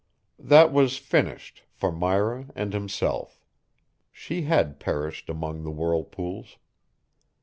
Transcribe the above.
That was finished, for Myra and himself. She had perished among the whirlpools.